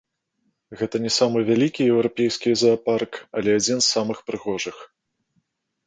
Гэта не самы вялікі еўрапейскі заапарк, але адзін з самых прыгожых.